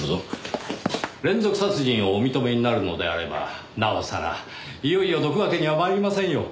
連続殺人をお認めになるのであればなおさらいよいよどくわけには参りませんよ。